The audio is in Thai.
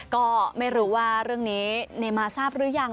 ก็ไม่รู้ว่าเรื่องนี้เนมาทราบหรือยัง